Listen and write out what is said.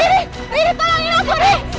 riri tolongin aku